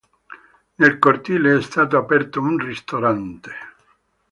Nel cortile è stato aperto un ristorante.